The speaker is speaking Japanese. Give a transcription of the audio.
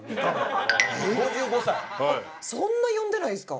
そんな読んでないんですか？